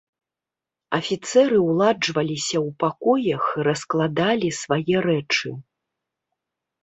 Афіцэры ўладжваліся ў пакоях і раскладалі свае рэчы.